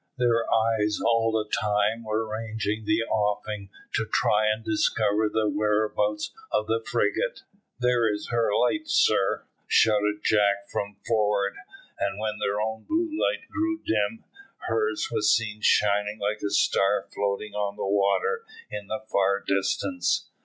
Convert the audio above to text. Their eyes all the time were ranging the offing to try and discover the whereabouts of the frigate. "There is her light, sir," shouted Jack from forward, and when their own blue light grew dim, hers was seen shining like a star floating on the water in the far distance.